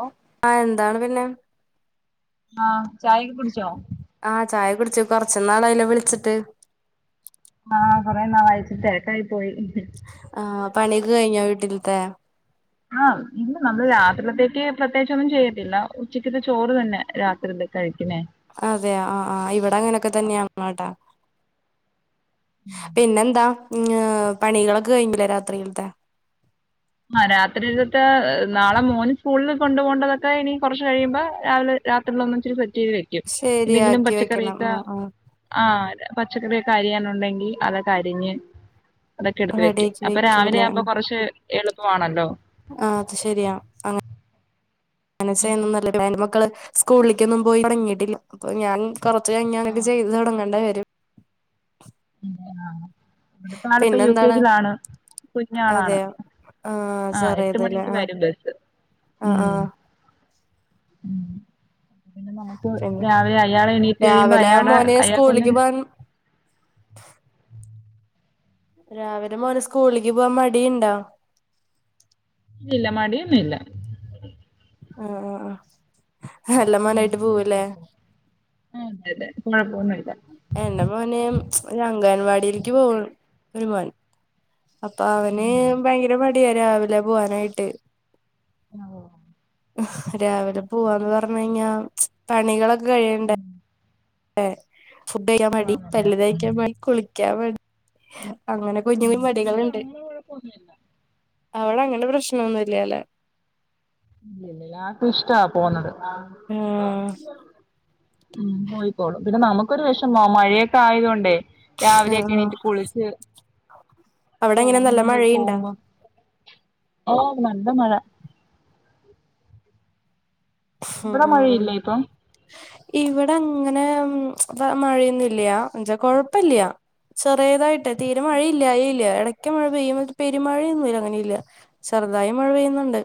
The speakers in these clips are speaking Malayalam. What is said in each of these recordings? ഓ ആഹ് എന്താണ് പിന്നെ? ആഹ് ചായകൊ കുടിച്ചോ? ആഹ് ചായ കുടിച്ചു കൊറച് നാളായ ലോ വിളിച്ചിട്ട്? ആഹ് കൊറെ നാളാ യി വിളിചിട്ട് തെരക്കായി പോയി. ആഹ് പണിയൊക്കെ കഴിഞ്ഞോ വീട്ടില്ത്തെ? ആഹ് ഇന്ന് നമ്മള് രാത്രിത്തേക്ക്? പ്രത്യേകിച്ചൊന്നും ചെയ്തില്ല ഉച്ചക്കത്തെ ചോറ് തന്നെ രാത്രി കഴിക്കിണേ. അതെയ ആഹ് ആഹ് ഇവിടെ അങ്ങനൊക്കെ തന്നെയാട്ട പിന്നെ എന്താ ഉം പണികളൊക്കെ കഴിഞ്ഞില്ലേ രാത്രിയിലത്തെ? ആഹ് രാത്രി കത്തെ നാളെ മോന് സ്കൂളിൽ കൊണ്ടു പോവണ്ടതൊക്കെ ഇനി കൊറച്ച് കഴിയുമ്പോ രാവിലെ. രാത്രിയിലൊന്ന് ഇച്ചിരി സെറ്റ് ചെയ്ത് വയ്ക്കും എന്തെങ്കിലും ശരിയാക്കി വെക്കണം പച്ചക്കറികളൊക്കെ. ആഹ് ആഹ് ആഹ് പച്ചക്കറിയൊക്കെ അരിയാനുണ്ടെങ്കിൽ അതൊക്കെ അരിഞ്ഞ്. അതൊക്കെ എടുത്ത് വെക്കും റെഡിയാക്കി അപ്പൊ രാവിലെ വെക്കൂല്ലേ ആവുമ്പോ കുറച്ച് എളുപ്പമാണല്ലോ? ആ അത് ശരിയാ [unintelligible] സ്കൂളിലൊന്നും പോയി തുടങ്ങിട്ടില്ല അപ്പൊ ഞാൻ കുറച്ച് കഴിഞ്ഞാ അങ്ങനൊക്കെ ആഹ് ചെയ്ത് തൊടങ്ങേണ്ടി വരും. ആ ഇവിടുത്തെ ആള് ഇപ്പം യു കെ പിന്നെന്താണ് ജി യിലാണ്. കുഞ്ഞാളാണ് അതെയോ ആഹ് ആ എട്ട് ചെറിയതല്ലേ മണിക്ക് ആഹ് വരും ബസ്സ് ആഹ് ഉം ആഹ് ഉം പിന്നെ നമുക്ക് പിന്നെ രാവിലെ അയാളെ എണീറ്റ് കഴിയുമ്പോ രാവിലെ അയാളെ മോന് അയാള് സ്കൂളിക്ക് ക്കൊന്നും. പോവാൻ രാവിലെ മോന് സ്കൂളിക്ക് പോവാൻ മടിയുണ്ടോ? ഇല്ല മടിയൊന്നും ഇല്ല. ആഹ് ആഹ് നല്ല മോനായിട്ട് പോവുല്ലേ? ആ അതെ അതെ [unintelligible] എന്റെ മോന് ഒരു അംഗൻവാടിക്ക് പോകും ഒരു മോൻ. അപ്പൊ അവന് ഭയങ്കരം മടിയാ രാവിലെ പോവാനായിട്ട്. ഓഹ് രാവിലെ പോവാന്ന് പറഞ്ഞ് കഴിഞ്ഞാ പണികളൊക്കെ കഴിയണ്ടേ? ഏ ഫുഡ് കഴിക്കാൻ മടി ആണല്ലേ പല്ലു തേക്കാൻ മടി കുളിക്കാൻ മടി. അങ്ങനെ കുഞ്ഞു ഉം കുഞ്ഞു ഇവിടെ മടികളുണ്ട് അങ്ങനെ കുഴപ്പൊന്നുമില്ല അവിടെ അങ്ങടെ പ്രശ്നൊന്നുല്ലല്ലേ? ഇല്ല ആക്ക് ഇഷ്ടാ പോന്നത് ഉം ഉ പോയിക്കോളും പിന്നെ നമുക്കൊരു വിഷമാ മഴയൊക്കെ ആയത് കൊണ്ടേ രാവിലെയ ഒക്കെ ആഹ് എണീട്ട് കുളിച്ച് അവിടെങ്ങനെ നല്ല പോകുന്നത് മഴയുണ്ടാ പോകുമ്പോ ഓ നല്ല മഴ ഇവിടെ ഉം മഴയില്ലേ ഇപ്പം ഉം ഇവിടെ അങ്ങനെ മഴയൊന്നില്ല എന്നച്ചാ കൊഴപ്പില്ല ചെറിയതായിട്ട് തീരെ മഴയില്ലായി ഇല്ല ഇട ഒക്കെ മഴ പെയ്യുമ പെരുമഴയൊന്നുമല്ല അങ്ങനെ ഇല്ല ചെറുതായി മഴ പെയ്യുന്നുണ്ട്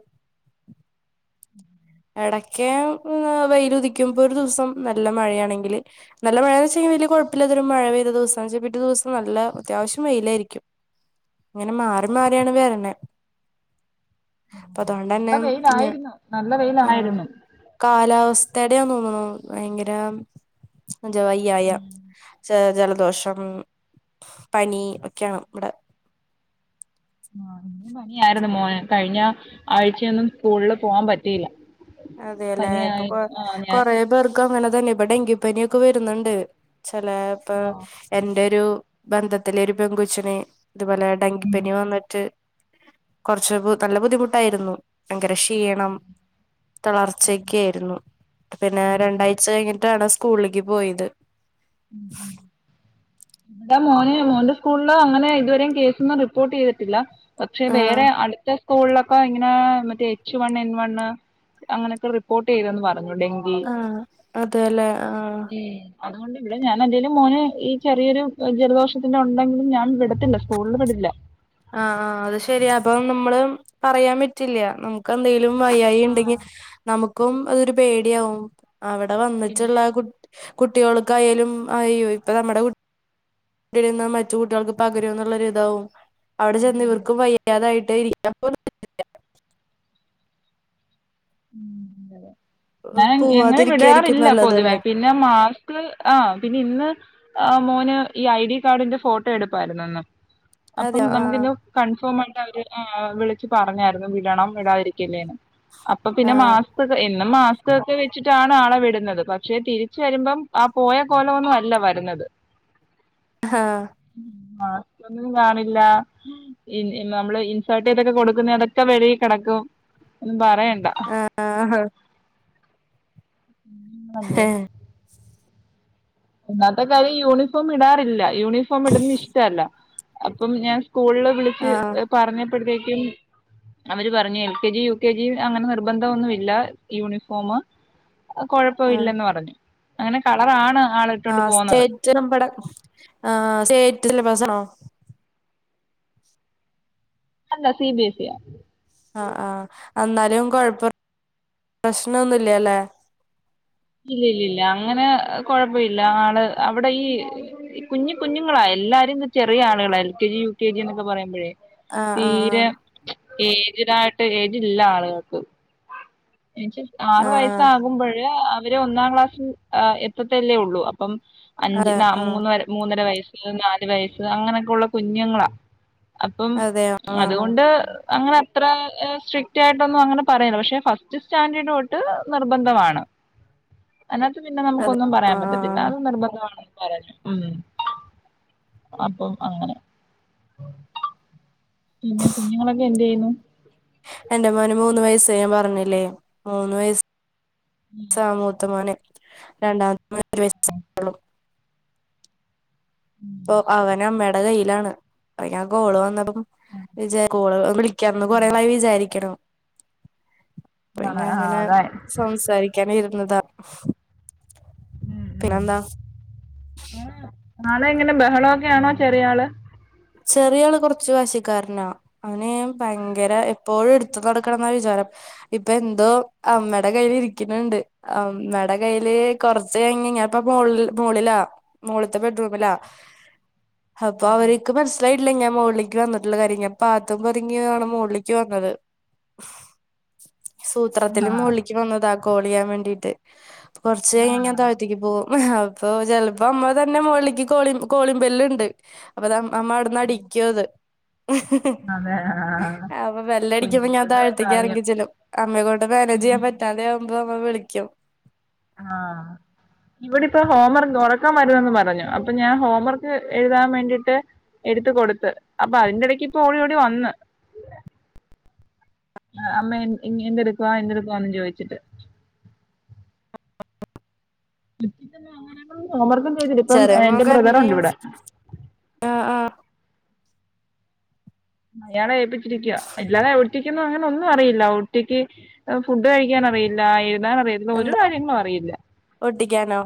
എടക്ക് വെയിൽ ഉദിക്കുമ്പോ ഒരു ദിവസം നല്ല മഴയാണെങ്കില് നല്ല മഴയാന്ന് വെച്ചെങ്കയ് ഞാൻ വല്യ കുഴപ്പില്ലതും മഴ പെയവെച്ചൽ പിറ്റ ദിവസ നല്ല അത്യാവശ്യം വെയിലായിരിക്കും ഇങ്ങനെ മാറി മാറിയാണ് വേര്ണെ അപ്പൊ അതുകൊണ്ടന്നെ. ഇവിടെ ഇഞ് വെയിലായിരുന്നു നല്ല വെയിയിലായിരുന്നു കാലാവസ്ഥടെയാ തോന്നുന്നു ഭയങ്കരം വയ്യായ ഉം ജലദോഷം പനി ഒക്കെയാണ് ഇവിടെ ആ പണിയായിരുന്നു മോൻ കഴിഞ്ഞ ആഴ്ചയൊന്നും സ്കൂളില് പോവാൻ പറ്റിയില്ല അതെയല്ലേ ഇപ്പൊ കൊ പനിയായിരുന്നു ആ ഞാൻ കൊറ പേർ അങ്ങനെ തന്നെ ഇപ്പ ഡെങ്കിപ്പനി ഒക്കെ വരുന്നുണ്ട് ചെലപ്പം ആ എന്റെ ഒരു ബന്ധത്തിലെ ഒരു പെങ്കുച്ചനെ ഇതുപോലെ ഉം. ഡെങ്കിപ്പനി വന്നിട്ട് കുറച്ച് നല്ല ബുദ്ധിമുട്ടായിരുന്നു ഭയങ്കരം ക്ഷീണം തളർച്ചക്ക ആയിരുന്നു പിന്നെ ഉം, രണ്ടാഴ്ച കഴിഞ്ഞിട്ടാണ് സ്കൂളിലേക്ക് പോയത് ഉം ഉം എന്താ മോന് മോന്റെ സ്കൂളിലോ അങ്ങനെ ഇതുവരെയും കേസൊന്നും റിപ്പോർട്ട് ചെയ്തിട്ടില്ല പക്ഷെ ആഹ് വേറെ അടുത്ത സ്കൂളിലൊക്കെ ഇങ്ങനെ മറ്റേ എച്ച് വണ് എൻ വണ് അങ്ങനെയൊക്കെ റിപ്പോർട്ട് ചെയ്തെന്ന് പറഞ്ഞു ഡെ ആഹ അതല്ലേ ആഹ ഉം. അതുകൊണ്ട് ഇവിടെ ഞാൻ എന്തേലും മോെ ഈ ചെറിയൊരു ജലദോഷത്തിന്റെ ഉണ്ടെങ്കിലും ഞാൻ വിടത്തില്ല സ്കൂളിൽ വിെടില്ല ആഹ ആ് അത് ശരിയാ അപ്പൊ നമ്മള് പറയാൻ പറ്റില്ല നമുക്ക് എന്തെലും വയ്യായി ആ ഉണ്ടെങ്കിൽ നമുക്കും അതൊരു പേടിയാവും അവിടെ വന്നിട്ടുള്ള പിന്നെ കു കുട്ടികൾക്കായാലും അയ്യോ ഇപ്പ നമ്മുടെ മറ്റു കുട്ടികൾക്ക് പകര എന്നുള്ളൊരിതാവും അവിടെ ചെന്ന ഇവർക്കും വയ്യാതായിട്ട് ഇരിക്ക ശരി െ ഞാൻ ങ്ങെ പോവാതിരിക്കായിരിക്കും വിടാറില്ല നല്ലത് ല്ലേ പൊതുവേെ പിന്നെ മാസ്ക് ആഹ പിന്നെ ഇന്ന് ആ് മോന് ഈ ഐ ഡി കാർഡിന്റെ ഫോട്ടോ എടുപ്പായിുന്നന്ന് അതെ അപ്പം ആഹ് നമുക്കിത് കൺഫേം ആയിട്ട് അവര് വിളിച്ച് പറഞ്ഞായിരുന്നു വിടണം വിടാതിരിക്കില്ലേന്ന് അപ്പൊ പിന്നെ മാ ആഹ് എന്നും മാസ്ക് ഒക്കെ വെച്ചിട്ടാണ് ആളെ വിടുന്നത് പക്ഷെ തിരിച്ച വരുമ്പം ആ പോയ പോല ഒന്നും അല്ല വരുന്നത് ആഹ മാസ്ക് ഒന്നും കാണില്ല. നമ്മള് ഇൻസേർട്ട് ചെയ്തൊക്കെ കൊടുക്കുന്ന അതൊക്കെ വെഴ കിടക്കും ഒും പറയണ്ട ആഹഹാ അതേ ഇന്നാത്തെ കാര്യം യൂണിഫോം ഇടാറില്ല യൂണിഫോം ഇടുന്ന ഇഷ്ടമല്ല അപ്പം ഞാൻ സ്കൂളിൽ വിളിച്ച് ആഹ് പറഞ്ഞപ്പോഴത്തേക്കും അവര് പറഞ്ഞു L K G U K G അങ്ങനെ നിർബന്ധം ഒന്നുമ ഇല്ല യൂണിഫോമ കൊഴപ്പം ആഹ് ഇല്ലെന്ന് പറഞ്ഞു അങ്ങനെ കളറാണ് ആൾ ആ സ്റ്റേറ്റ് നമ്മടെ ആ സ്റ്റേറ്റ് സിലബസ് ആണോ അല്ല സി ബി സി യാ ആഹ ആഹ എന്നാലും കൊഴപ്പം പ്രശ്നൊന്നുമില്ലല്ലേ ഇല്ല ഇല്ല ഇല്ല അങ്ങനെ കൊഴപ്പം ഇല്ല ആൾ അവിടെ ഈ കുഞ്ഞു കുഞ്ഞുങ്ങളാ എല്ലാരും ചെറിയ ആളുകളാ L K G U K G എന്നൊക്കെ പറയുമ്പോഴേ ആഹ് തീരെ ആഹ് ഏജിടായിട്ട് ഏജ് ഇല്ല ആളുകൾക്ക് ആറു ആഹ് ആഹ് വയസ്സാകുമ്പോഴ് അവര് ഒന്നാം ക്ലാസ്സിൽ എത്തത്തല്ലേ ഉള്ളൂ അപ്പം അഞ്ച് അതെ ന ആഹ് മൂന്ന് മൂന്നര വയസ്സ് നാല് വയസ്സ് അങ്ങനെയൊക്കെ ഉള്ള കുഞ്ഞുങ്ങളാ അപ്പം അതെയോ ആഹ് ആഹ് അതുകൊണ്ട് അങ്ങനെ അത്ര സ്ട്രിക്റ്റ് ആയിട്ടൊന്നും അങ്ങനെ പറയല്ല പക്ഷെ ഫസ്റ്റ് സ്റ്റാൻഡേർഡ് തൊട്ട് നിർബന്ധമാണ്. അതിനകത്ത് പിന്നെ അതെ നമുക്കൊന്നും പറയാൻ ആഹ് പറ്റത്തില്ല ആഹ് അതും നിർബന്ധമാണെന്ന് പറഞ്ഞോ ഉം അപ്പോ അങ്ങനെ. പിന്നെ കുഞ്ഞുങ്ങളൊക്കെ എന്ത് ചെയ്യുന്നു? എന്റെ മോന് മൂന്ന് വയസ്സ് ഞാൻ പറഞ്ഞില്ലേ മൂന്ന് വയ ഉം. സാ മൂത്ത മോന് രണ്ടാമത്തെ [unintelligible] ഉം. ഇപ്പൊ അവൻ അമ്മയുടെ കയ്യിലാണ് അയ് ഞാൻ കാൾ വന്നപ്പോ ഉം. വിചാ കോളുകൾ വിളിക്കാന്ന് കൊറേ ഉം. നായി വിചാരിക്കണം പിന്ന ആണ്. ആഹ് അങ്ങനെ അതാ. സംസാരിക്കൻ ഇരുന്നതാ. പിന്നെന്താ നാളെ എങ്ങനെ ബഹളമൊക്കെയാണോ ചെറിയ ആൾ ചെറിയാള് കൊറച്ച് വാശിക്കാര്നാ. അവന് ഭയങ്കര എപ്പോഴും എടുത്ത് നടക്കണംന്നാ വിചാരം. ഇപ്പൊ എന്തോ അമ്മേടെ കയ്യില് ഇരിക്ന്ണ്ട്. അമ്മേടെ കയ്യില് കൊറച്ചു കഴിഞ് ഞാൻ ഇപ്പൊ മൊൾ മോളിലാ. മോളിത്തെ ബെഡ്റൂമിലാ അപ്പൊ ആഹ് അവര് ക്ക് മനസിലായിട്ടില്ല ഞാൻ മോൾളേക്ക് വന്ന്ട്ടുള്ള കാര്യം ഞാൻ പാത്തും പതുങ്ങിയുആണ് മോൾളേക്ക് വന്നത്. സൂത്രത്തിൽ ആഹ് മോളിക്ക് വന്നതാ കോളിയ്യാൻ വേണ്ടീട്ട് കൊർച്ചു കഴിഞ്ഞ് ഞാൻ ആഹ് താഴ്തേക് പോവും അപ്പൊ ചെലപ്പോ അമ്മ തന്നെ മൊളിക്ക് കോളി കോളിമ്പെല്ല്ണ്ട് അപ്പൊ അ അമ്മ അവ്ട്ന്ന് അടിക്കു അത്. അതെ ആഹ് അപ്പൊ ബെല്ല്ടിക്കുമ്പം ഞാൻ കുഞ്ഞുങ്ങളുടെ താഴത്തേക്ക് കാര്യം ഇറങ്ങി ചെല്ലും അമ്മയെക്കൊണ്ട് മാനേജ്യ്യാൻ ഉം പ തലയാവുമ്പോ അമ്മ വിളിക്കും. ആഹ് ഇവടെ ഇപ്പോ ഹോംവർക്ക് ഒറക്കം വരുന്നന്ന് പറഞ്ഞു അപ്പൊ ഞാൻ ഹോംവർക്ക് എഴുതാൻ വേണ്ടിട്ട് എടുത്ത് കൊടുത്ത് അപ്പൊ അതിന്റെ ഇടക്ക് ഇപ്പൊ ഓടി ഓടി വന്ന്. അമ്മേ ഇ ഇനി എന്തെടുക്കുവാ എന്തെടുക്കുവാന്ന് ചോദിച്ചിട്ട്. [unintelligible] ഹോംവർക്കും ‌ ചെയ്ത് ഇപ്പം ചെറിയ എന്റെ ബ്രദർ ഉണ്ട് ഇവിടെ. ആ ആഹ്. അയാളെ ഏൽപ്പിച്ചിരിക്കുവാ അല്ലാതെ എവ്ട്ത്തി ക്ക്ന്നു അങ്ങനെ ഒന്നും അറിയില്ല ഒറ്റക്ക് ഫുഡ് കഴിക്കാൻ അറിയില്ല എഴുതാൻ അറിയ ഒരു എന്താ കാര്യങ്ങളും അറിയില്ല. ഒട്ടിക്കാനോ?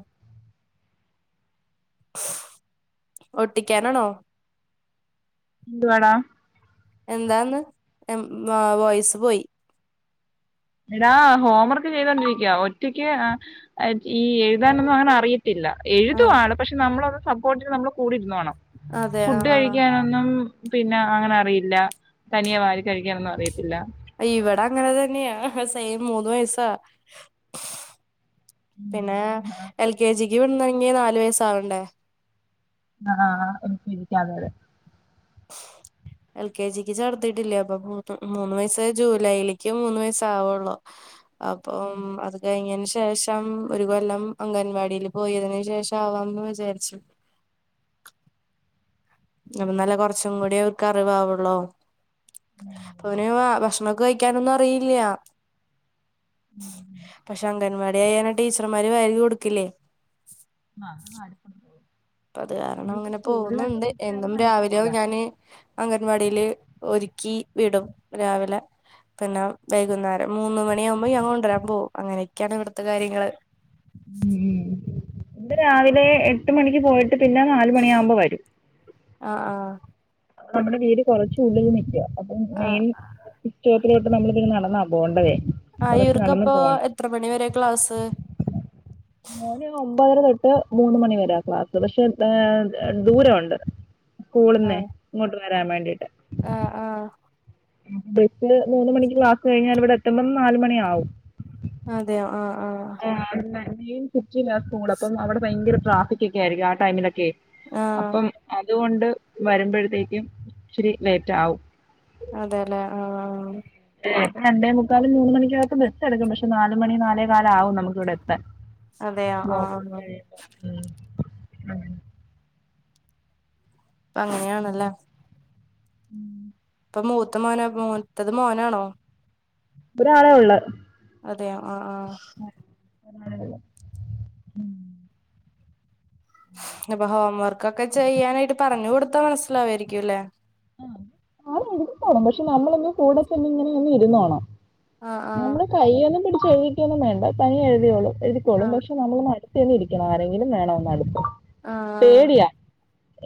ഒട്ടിക്കാനാണോ? എന്തു വാടാ? എന്താന്ന് ഉം വോയിസ് പോയി. എടാ ഹോംവർക്ക് ചെയ്തോണ്ടിരിക്കുവാ ഒറ്റക്ക് ഈ എഴുതാനൊന്നും അങ്ങനെ അറിയ ഇല്ല എഴുതും ആഹ് ആള് പക്ഷെ നമ്മളൊന്ന് സപ്പോർട്ടിന് നമ്മള് കൂടിരുന്നോണം അതെ ആഹ് ഫുഡ് കഴിക്കാ ആഹ് ന്നും പിന്നെ അങ്ങനെ അറിയില്ല തനിയെ വാരി കഴിക്കാനൊന്നും അറിയത്തില്ല. ഇവടെ അങ്ങനെ തന്നെയാ സെയിം മൂന്ന് വയസ്സാ. പിന്നെ എൽ കെ ജിക്ക് വിടുന്നെങ്കി ന്നാലു വയസ്സാ ആാവണ്ടേ. ആഹ് ഒര് [unintelligible] അതെ തേ എൽ കെ ജിക്ക് ചേർത്തിട്ടില്ലേ അപ്പൊ മൂന്ന് മൂന്ന് വയസ്സ് ജൂലൈലേക്ക് മൂന്ന് വയസ്സ്‌ ആവുള്ളൂ. ഉം. അപ്പം അത് കഴിഞ്ഞേന് ശേഷ ഇപ്പം ഒരു കൊല്ലം അംഗൻവാടീല് പോയതിന് ശേഷം ആവാമന്ന് വിചാരിച്ചു. അപ്പ നല്ല കൊറച്ചും കൂടി അവർക്ക് അറിവാവുള്ളോ ആ, അതെ, അപ്പൊ അതെ. അവന് ഭക്ഷണൊക്കെ കഴി ക്കാനോന്നും അറിയില്ല്യാ ഉം, ഉം. പക്ഷെ അങ്കൻവാടി [unintelligible] ടീച്ചർമാര് വാരി കൊടുക്കില്ലേ. ആഹ് [unintelligible] അപ്പൊ അത് കാരണം അങ്ങനെ പോകുന്നുണ്ട് അത് എന്നും രാവിലെയോ നടക്കത്തില്ല ഞാന് അംഗൻവാടിയില് ഒരുക്കി വിടും രാവിലെ പിന്നെ വൈകുന്നേരം മൂന്ന് മണി ആകുമ്പോ ഞാ കൊണ്ടരാൻ പോകും അങ്ങനെയൊക്കെയാണ് ഇവിട്ത്തെ കാര്യങ്ങള്. ഉം ഇത് രാവിലെ എട്ട് മണിക്ക് പോയിട്ട് പിന്നെ നാലുമണിയാകുമ്പോ വരും. അ ആഹ്. നമ്മടെ വീട് കൊറച്ച് ഉള്ളിൽ നിൽക്കാ അപ്പൊ ആഹ് ആഹ് മെയിൻ ഇറ്റോത്തിലോട്ട് നമ്മള്തിന് നടന്നാ പോണ്ടതെ. ആ ഇവർക്കപ്പൊ എത്ര മണി വരെ ക്ലാസ്സ് മോന് ഒമ്പതര തൊട്ട് മൂന്ന് മണി വരാ ക്ലാസ് പക്ഷെ ദൂരവുണ്ട് സ്കൂളുന്നെ ആഹ് ഇങ്ങോട്ട് വരാൻ വേണ്ടീട്ട് ആഹ് ആഹ് ബസില് മൂന്ന് മണിക്ക് ക്ലാസ് കഴിഞ്ഞാൽ ഇവിടെ എത്തുമ്പം നാല് മണിയാവും അതെയോ ആഹ് ആഹ് ആഹ് മെയിൻ സിറ്റിലാ സ്കൂള് അപ്പം അവിടെ ഭയങ്കര ട്രാഫിക് ഒക്കെ ആയിരിക്കും ആ ടൈമിലൊക്കെ ആഹ് അപ്പം അതുകൊണ്ട് വരുമ്പഴത്തേക്കും ഇച്ചിരി ലേറ്റ് ആകും അതേല്ലേ ആഹ് രണ്ടേ മുക്കാല് മൂന്ന് മണിക്കകത്ത് ബസ്സെടുക്കും പക്ഷെ നാല് മണി നാലേ കാലാവും നമു ക്കിവിടെത്താൻ. അതെയോ ആഹ് ബ്ലോക്കൊക്കെ ആഹ് കഴിഞ്ഞ് അപ്പൊ അങ്ങനെയാണല്ലേ ഉം അപ്പൊ മൂത്ത മോനോ അപ്പോ മൂത്തത് മോനാണോ ഒരാളെ ഒള്ള് അതെയോ ആഹ് ആഹ് ഉം അപ്പൊ ഹോം വർക്കൊക്കെ ചെയ്യാനായിട്ട് പറഞ്ഞു കൊടുത്താ മനസ്സിലാവായിരിക്കുംല്ലേ ആഹ് ആഹ് എഴുതിക്കോളും പക്ഷെ നമ്മളൊന്ന് കൂടെ തന്നെ ഇങ്ങനെ ഒന്ന് ഇരുന്നോണം ആഹ് ആഹ് നമ്മള് കൈയൊന്നും പിടിച്ച് എഴുതിക്കൊന്നും വേണ്ട തനിയെ എഴുതിയോളും എഴുതിക്കോളും ആഹ് പക്ഷെ നമ്മളൊന്ന് അടുത്തുതന്നെ ഇരിക്കണം ആരെങ്കിലും വേണം ഒന്നടുത്ത് ആഹ് പേടിയാ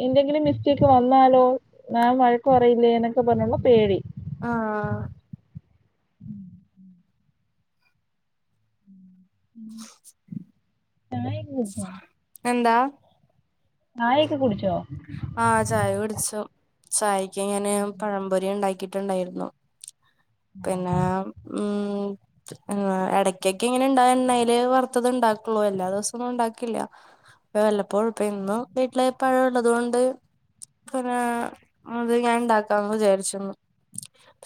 എന്തെങ്കിലും മിസ്റ്റേക്ക് വന്നാലോ മാം വഴക്കു പറയില്ലേ എന്നൊക്കെ പറഞ്ഞൊള്ള പേടി ആഹ് ഉം ചായയെക്കെ കുടിച്ചോ എന്താ ചായയൊക്കെ കുടിച്ചോ ആഹ് ചായ കുടിച്ചു ചായയ്ക്ക് ഞാന് പഴംപൊരി ഉണ്ടാക്കിട്ടുണ്ടായിരുന്നു പിന്നെ ആഹ് ഉം ആഹ് ഇടയ്ക്കൊക്കെ ഇങ്ങനെണ്ടാകും എണ്ണേല് വറുത്തത് ഇണ്ടാക്കുള്ളൂ എല്ലാ ദിവസൊന്നും ഉണ്ടാക്കില്ല വല്ലപ്പോഴുക്കൊ ഇന്നു വീട്ടിലെ പഴംള്ളത് കൊണ്ട് പിന്നെ മുതി ഞാൻ ഉണ്ടാക്കാന്ന് വിചാരിച്ചു ന്ന്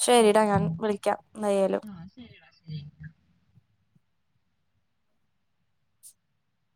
ശരിടാ ഞാൻ വിളിക്കാം എന്തായാലും ആഹ് ശരിടാ ശരി